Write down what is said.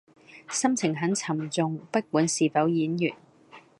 心情很沉重不管是否演員